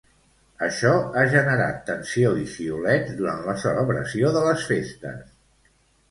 Això ha generat tensió i xiulets durant la celebració de les festes.